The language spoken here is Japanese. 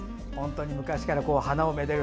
昔から花をめでる。